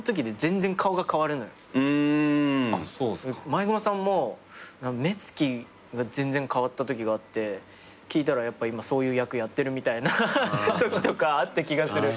毎熊さんも目つきが全然変わったときがあって聞いたらやっぱ今そういう役やってるみたいなときとかあった気がする。